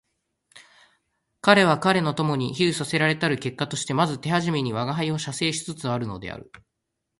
彼は彼の友に揶揄せられたる結果としてまず手初めに吾輩を写生しつつあるのである